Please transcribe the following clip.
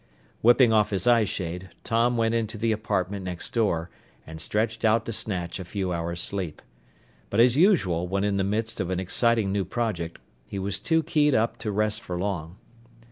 Whipping off his eyeshade, Tom went into the apartment next door and stretched out to snatch a few hours' sleep. But as usual when in the midst of an exciting new project, he was too keyed up to rest for long.